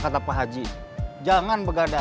kata bakhaji jangan begadang ke tangan ngajak